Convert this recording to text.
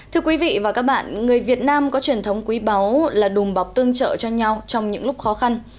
thưa quý vị và các bạn người việt nam có truyền thống quý báu là đùm bọc tương trợ cho nhau trong những lúc khó khăn